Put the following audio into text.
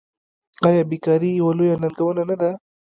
آیا بیکاري یوه لویه ننګونه نه ده؟